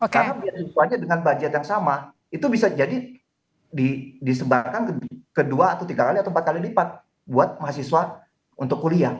karena biaya biayanya dengan budget yang sama itu bisa jadi disebarkan ke dua atau tiga kali atau empat kali lipat buat mahasiswa untuk kuliah